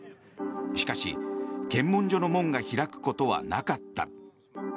しかし、検問所の門が開くことはなかった。